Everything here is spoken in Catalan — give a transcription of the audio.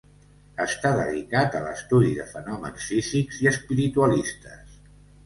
Està dedicat a l'estudi de fenòmens físics i espiritualistes.